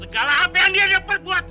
segala apa yang dia perbuat